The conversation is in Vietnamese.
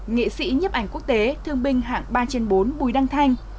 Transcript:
nghệ sĩ nhấp ảnh quốc tế thương binh hạng ba trên bốn bùi đăng thanh